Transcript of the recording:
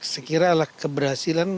sekiranya ala keberhasilan